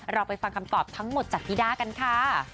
เราไปฟังคำตอบทั้งหมดจากพี่ด้ากันค่ะ